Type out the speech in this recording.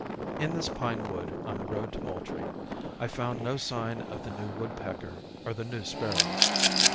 In this pine wood on the road to Moultrie I found no sign of the new woodpecker or the new sparrow.